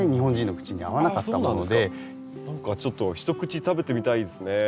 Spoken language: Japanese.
何かちょっと一口食べてみたいですね。